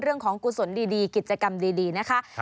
เรื่องของกุศลดีกิจกรรมดีนะคะ